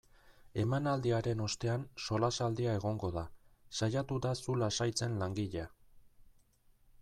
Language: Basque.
Emanaldiaren ostean solasaldia egongo da, saiatu da zu lasaitzen langilea.